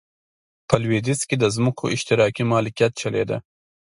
په لوېدیځ کې د ځمکو اشتراکي مالکیت چلېده.